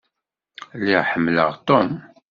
Lliɣ ḥemmleɣ Tom.